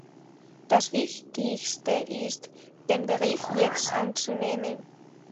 Das Wichtigste ist, den Bericht jetzt anzunehmen.